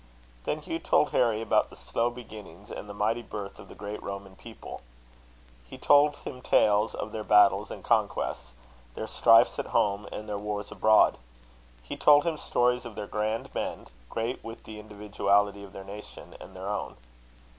Then Hugh told Harry about the slow beginnings and the mighty birth of the great Roman people. He told him tales of their battles and conquests; their strifes at home, and their wars abroad. He told him stories of their grand men, great with the individuality of their nation and their own.